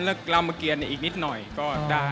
ในเรื่องเกี่ยวกับขนรำเกียรติฤทธิ์ให้อีกนิดหน่อยก็ได้